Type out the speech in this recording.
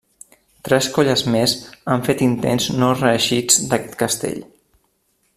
Tres colles més han fet intents no reeixits d'aquest castell.